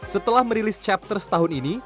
setelah merilis chapter setahun ini